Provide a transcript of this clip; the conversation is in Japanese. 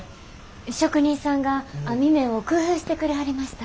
職人さんが網目を工夫してくれはりました。